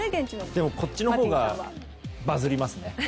でも、こっちのほうがバズりますね。